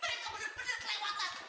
mereka benar benar kelewatan